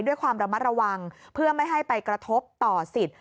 ด้วยความระมัดระวังเพื่อไม่ให้ไปกระทบต่อสิทธิ์